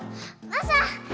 マサ！